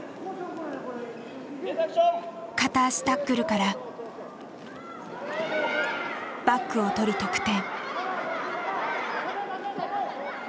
片足タックルからバックをとり得点。